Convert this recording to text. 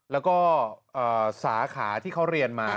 แล้วก็สาขาที่เขาเรียนมา